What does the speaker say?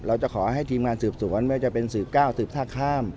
เราจะขอให้ทีมงานสืบสวนไม่ว่าจะเป็นสืบก้าวสืบท่าข้าม